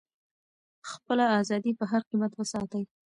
خپله ازادي په هر قیمت وساتئ.